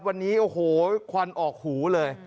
วันนี้โคลขวัญออกหูเลย